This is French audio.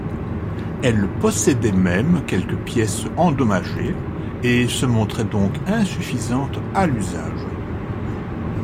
Elle possédait même quelques pièces endommagées et se montrait donc insuffisante à l'usage.